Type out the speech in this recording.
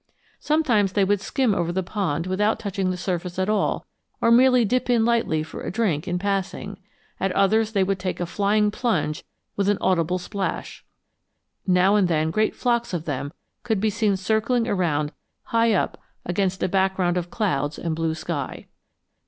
Sometimes they would skim over the pond without touching the surface at all, or merely dip in lightly for a drink in passing; at others they would take a flying plunge with an audible splash. Now and then great flocks of them could be seen circling around high up against a background of clouds and blue sky.